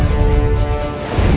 jangan lupa untuk berlangganan